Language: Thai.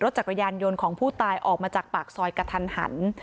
จักรยานยนต์ของผู้ตายออกมาจากปากซอยกระทันหัน